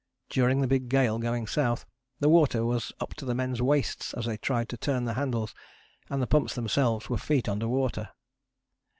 During the big gale going South the water was up to the men's waists as they tried to turn the handles, and the pumps themselves were feet under water.